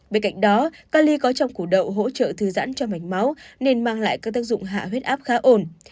bên cạnh đó cali có trong củ đậu hỗ trợ thư giãn cho mạch máu nên mang lại các tác dụng hạ huyết áp khá ổn